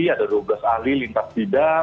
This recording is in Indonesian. ada dua belas ahli lintas bidang